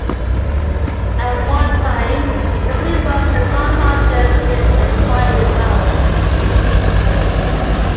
At one time, the company was the third largest media empire in the world.